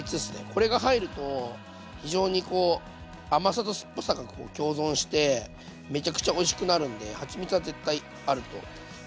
これが入ると非常にこう甘さと酸っぱさが共存してめちゃくちゃおいしくなるんではちみつは絶対あるとうれしいです。